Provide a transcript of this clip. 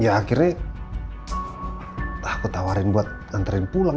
ya akhirnya takut tawarin buat nganterin pulang